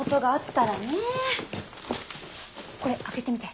これ開けてみて。